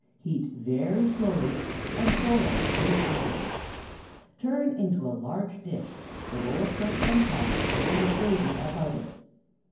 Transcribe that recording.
Heat very slowly, and boil two hours. Turn into a large dish, the lower crust on top, and the gravy about it.